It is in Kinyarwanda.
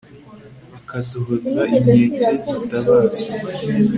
bakaduhozaho inkeke zitabazwa